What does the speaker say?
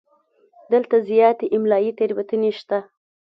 دلته زیاتې املایي تېروتنې شته.